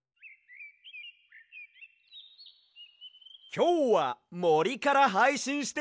きょうはもりからはいしんしてるＹＯ！